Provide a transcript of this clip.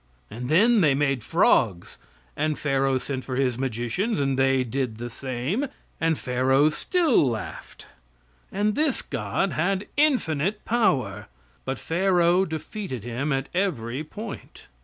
And then they made frogs; and Pharaoh sent for his magicians, and they did the same, and Pharaoh still laughed. And this God had infinite power, but Pharaoh defeated Him at every point!